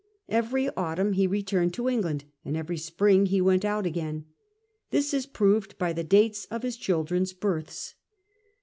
Every autumn he returned to England, and every spring he went out again. This is proved by the dates of his children's births.